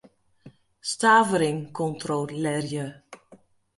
Stavering kontrolearje.